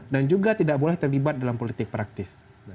juga tidak boleh terlibat dalam politik praktis